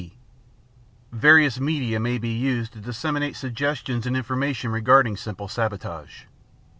(d) Various media may be used to disseminate suggestions and information regarding simple sabotage.